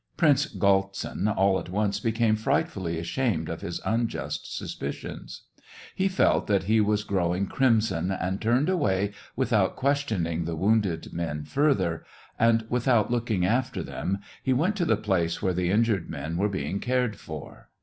Prince Galtsin all at once became frightfully ashamed of his unjust suspicions. He felt that he was growing crimson, and turned away, with out questioning the wounded men further, and, without looking after them, he went to the place where the injured men were being cared for.